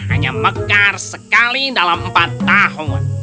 hanya mekar sekali dalam empat tahun